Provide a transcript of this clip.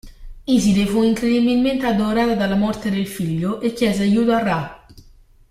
Iside fu incredibilmente addolorata dalla morte del figlio, e chiese aiuto a Ra.